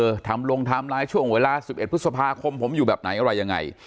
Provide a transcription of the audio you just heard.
ทำลงไทม์ไลน์ช่วงเวลา๑๑พฤษภาคมผมอยู่แบบไหนอะไรยังไง